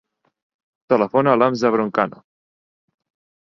Telefona a l'Hamza Broncano.